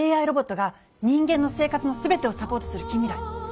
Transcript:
ＡＩロボットが人間の生活の全てをサポートする近未来。